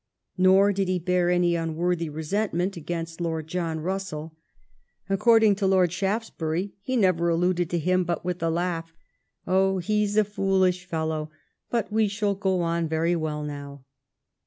Nor did he bear any unworthy resentment against liord John Russell. According to Lord Shaftesbury, he never alluded to him but with a laugh, and Oh, he's a foolish fellow, but we shall go on very well now."